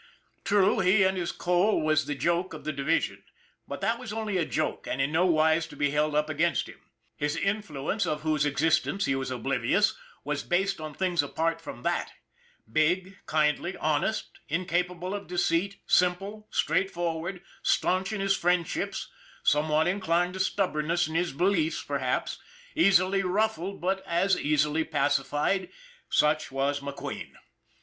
True, he and his coal was the joke of the division; but that was only a joke, and in no wise to be held up against him. His influence, of whose existence he was oblivious, was based on things apart from that. Big, kindly, honest, incapable of deceit, simple, straight forward, staunch in his friendships, somewhat inclined to stubborness in his beliefs per haps, easily ruffled but as easily pacified, such was McQueen.